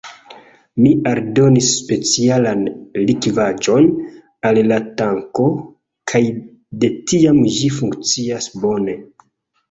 Mi aldonis specialan likvaĵon al la tanko, kaj de tiam ĝi funkcias bone.